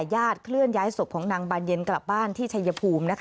เคลื่อนย้ายศพของนางบานเย็นกลับบ้านที่ชัยภูมินะคะ